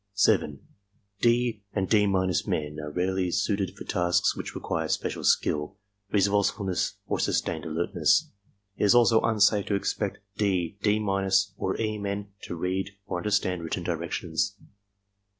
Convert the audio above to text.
7. "D'* and "D —" men are rarely suited for tasks which require special skill, resourcefulness or sustained alertness. It is also unsafe to expect " D," "D— '' or "E" men to read or un derstand written directions.